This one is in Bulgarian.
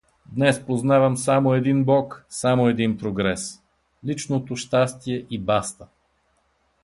Днес познавам само един бог, само един прогрес: личното щастие и баста!